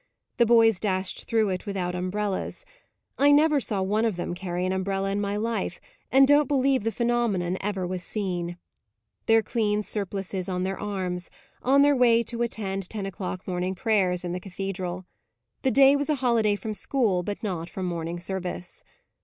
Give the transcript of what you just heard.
The boys dashed through it without umbrellas (I never saw one of them carry an umbrella in my life, and don't believe the phenomenon ever was seen), their clean surplices on their arms; on their way to attend ten o'clock morning prayers in the cathedral. The day was a holiday from school, but not from morning service.